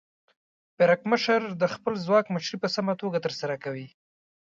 پرکمشر د خپل ځواک مشري په سمه توګه ترسره کوي.